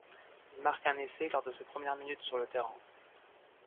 Il marque un essai lors de sa première minute sur le terrain.